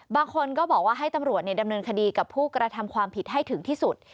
บางคนก็บอกว่าให้ตำรวจดำเนินคดีกับผู้กระทำความผิดให้ถึงที่สุด